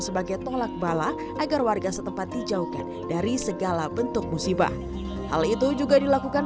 sebagai tolak bala agar warga setempat dijauhkan dari segala bentuk musibah hal itu juga dilakukan